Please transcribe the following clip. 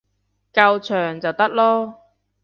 夠長就得囉